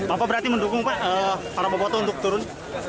apa berarti mendukung pak para bobotoh untuk turun